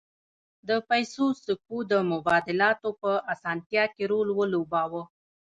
د پیسو سکو د مبادلاتو په اسانتیا کې رول ولوباوه